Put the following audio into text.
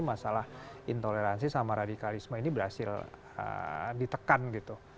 masalah intoleransi sama radikalisme ini berhasil ditekan gitu